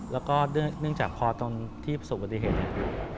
แล้วก็เนื่องจากพอที่ผสมประติธิภัย